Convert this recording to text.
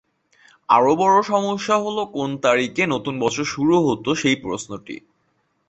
আরও বড়ো সমস্যা হল কোন তারিখে নতুন বছর শুরু হত সেই প্রশ্নটি।